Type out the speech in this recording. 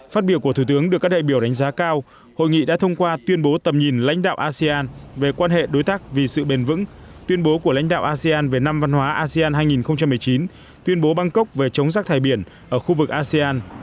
phát biểu của thủ tướng được các đại biểu đánh giá cao hội nghị đã thông qua tuyên bố tầm nhìn lãnh đạo asean về quan hệ đối tác vì sự bền vững tuyên bố của lãnh đạo asean về năm văn hóa asean hai nghìn một mươi chín tuyên bố bangkok về chống rác thải biển ở khu vực asean